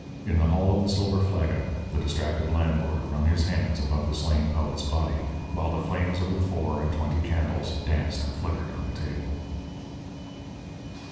In the hall of the Silver Flagon the distracted landlord wrung his hands above the slain poet's body, while the flames of the four and twenty candles danced and flickered on the table.